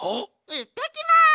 いってきます！